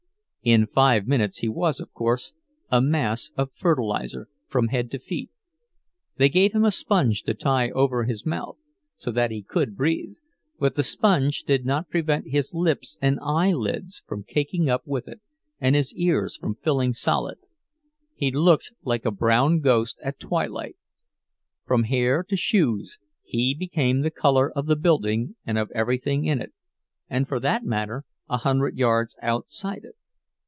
In five minutes he was, of course, a mass of fertilizer from head to feet; they gave him a sponge to tie over his mouth, so that he could breathe, but the sponge did not prevent his lips and eyelids from caking up with it and his ears from filling solid. He looked like a brown ghost at twilight—from hair to shoes he became the color of the building and of everything in it, and for that matter a hundred yards outside it.